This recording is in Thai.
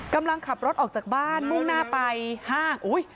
กำลังขับรถออกจากบ้านมุ่งหน้าไปห้าง